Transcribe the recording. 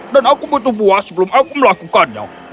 dan aku butuh buah sebelum aku melakukannya